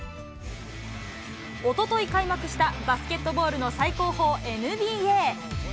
おととい開幕した、バスケットボールの最高峰、ＮＢＡ。